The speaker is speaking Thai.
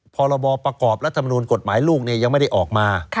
พรบประกอบรัฐมนูลกฎหมายลูกยังไม่ได้ออกมา